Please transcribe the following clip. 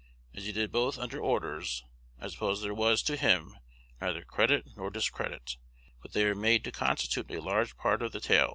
As he did both under orders, I suppose there was, to him, neither credit nor discredit; but they are made to constitute a large part of the tail.